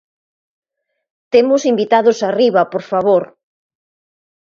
Temos invitados arriba, por favor.